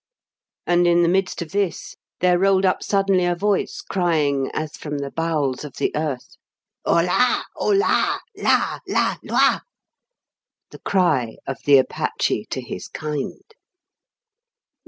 And in the midst of this there rolled up suddenly a voice crying, as from the bowels of the earth, "Hola! Hola! La la! loi!" the cry of the Apache to his kind.